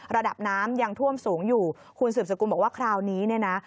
ระดับน้ำยังท่วมสูงอยู่คุณสืบสกุลบอกว่าคราวนี้เนี่ยนะ